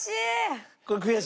悔しい！